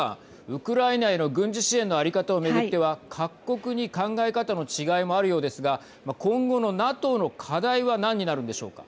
ウクライナへの軍事支援の在り方を巡っては各国に考え方の違いもあるようですが今後のＮＡＴＯの課題は何になるんでしょうか。